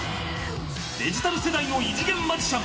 デジタル世代の異次元マジシャン。